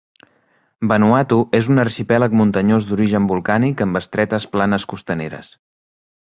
Vanuatu és un arxipèlag muntanyós d'origen volcànic amb estretes planes costaneres.